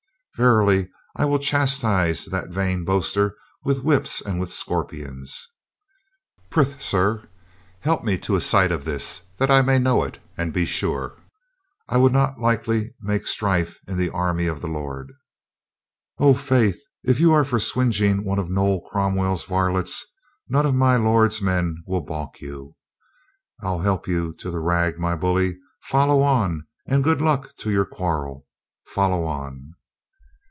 "Verily, I will chas tise that vain boaster with whips and with scorpions. Prithee, sir, help me to a sight of this that I may know it and be sure. I would not lightly make strife in the army of the Lord." "O, faith, if you are for swingeing one of Noll Cromwell's varlets none of my lord's men will balk you. I'll help you to the rag, my bully. Follow on, and good luck to your quarrel, follow on."